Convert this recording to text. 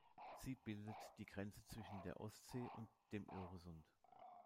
Sie bildet die Grenze zwischen der Ostsee und dem Öresund.